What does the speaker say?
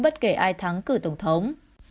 bằng cử tổng thống